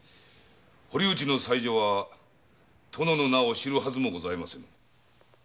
堀内の妻女は殿の名を知るはずもございません。